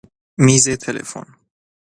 میز تلفن